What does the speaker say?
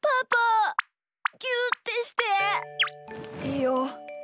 いいよ。